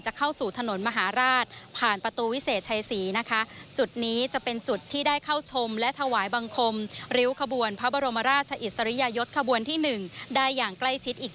จะเข้าสู่ถนนมหาราชผ่านประตูวิเศษชัยศรีนะคะ